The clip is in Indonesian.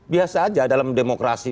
biasa aja dalam demokrasi